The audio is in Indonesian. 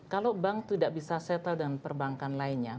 kalau bank tidak bisa settle dan perbankan lainnya